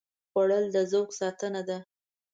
خوړل د ذوق ساتنه ده